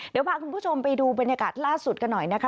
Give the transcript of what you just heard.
เดี๋ยวพาคุณผู้ชมไปดูบรรยากาศล่าสุดกันหน่อยนะคะ